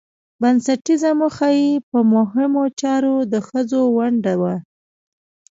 بنسټيزه موخه يې په مهمو چارو کې د ښځو ونډه وه